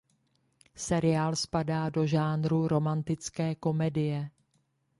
Seriál spadá do žánru romantická komedie.